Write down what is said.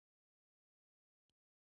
د پیسو مینځلو مخه نیول کیږي